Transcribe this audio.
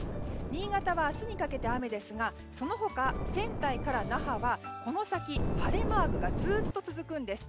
新潟は明日にかけて雨ですがその他、仙台から那覇はこの先、晴れマークがずっと続くんです。